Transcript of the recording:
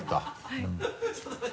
はい。